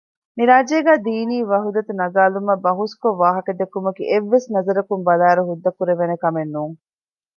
މި ރާއްޖޭގައި ދީނީ ވަޙުދަތު ނަގައިލުމަށް ބަހުސްކޮށް ވާހަކަދެއްކުމަކީ އެއްވެސް ނަޒަރަކުން ބަލާއިރު ހުއްދަކުރެވޭނެ ކަމެއް ނޫން